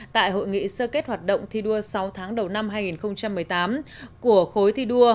tại hội nghị sơ kết hoạt động thi đua sáu tháng đầu năm hai nghìn một mươi tám của khối thi đua